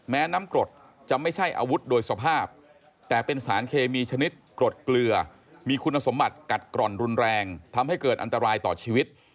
น้ำกรดจะไม่ใช่อาวุธโดยสภาพแต่เป็นสารเคมีชนิดกรดเกลือมีคุณสมบัติกัดกร่อนรุนแรงทำให้เกิดอันตรายต่อชีวิต